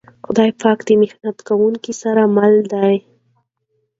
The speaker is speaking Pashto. خدای پاک د محنت کونکو سره مل دی.